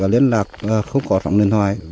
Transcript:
lạc không có trọng điện thoại